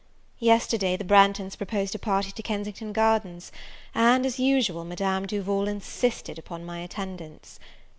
Yesterday the Branghtons proposed a party to Kensington Gardens; and, as usual, Madame Duval insisted upon my attendance.